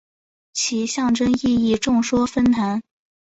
其象征意义众说纷纭。